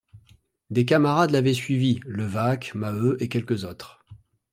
Des camarades l’avaient suivi, Levaque, Maheu et quelques autres.